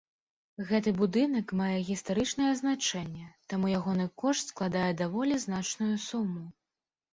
Гэты будынак мае гістарычнае значэнне, таму ягоны кошт складае даволі значную суму.